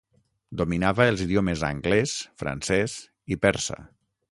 Dominava els idiomes anglès, francès i persa.